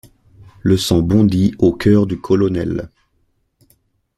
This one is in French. Le sang bondit au cœur du colonel.